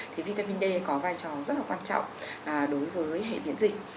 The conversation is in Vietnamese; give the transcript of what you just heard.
thì vitamin d có vai trò rất là quan trọng đối với hệ miễn dịch